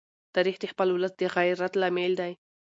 تاریخ د خپل ولس د غیرت لامل دی.